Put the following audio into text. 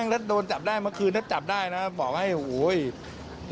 ได้เจ็บได้น่ะบอกให้เย้